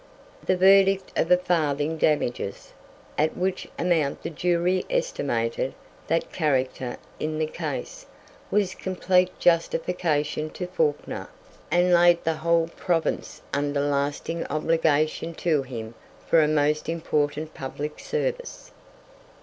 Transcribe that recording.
The verdict of a farthing damages, at which amount the jury estimated that character in the case, was complete justification to Fawkner, and laid the whole Province under lasting obligation to him for a most important public service.